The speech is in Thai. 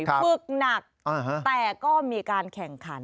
ฝึกหนักแต่ก็มีการแข่งขัน